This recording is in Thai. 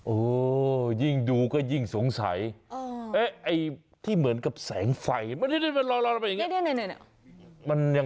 โอ้ยิ่งดูก็ยิ่งสงสัยเอ๊ะไอ้ที่เหมือนกับแสงไฟเห็น